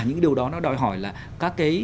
những điều đó nó đòi hỏi là các cái